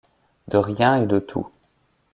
De rien et de tout.